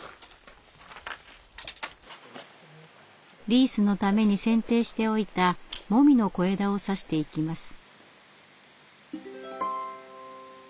リースのために剪定しておいたモミの小枝を挿していきます。